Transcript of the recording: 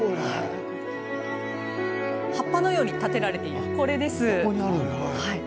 葉っぱのように立てられているこれです。